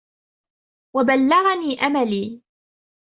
وَبَلَّغَنِي أَمَلِي